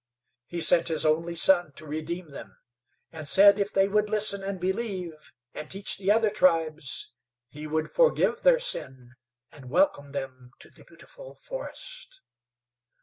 He sent His only Son to redeem them, and said if they would listen and believe, and teach the other tribes, He would forgive their sin and welcome them to the beautiful forest.